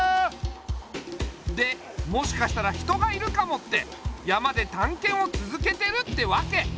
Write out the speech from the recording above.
でもしかしたら人がいるかもって山でたんけんをつづけてるってわけ。